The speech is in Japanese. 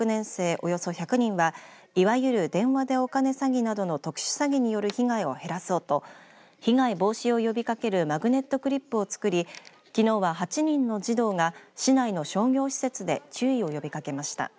およそ１００人はいわゆる電話でお金詐欺などの特殊詐欺による被害を減らそうと被害防止を呼びかけるマグネットクリップを作りきのうは８人の児童が市内の商業施設で注意を呼びかけました。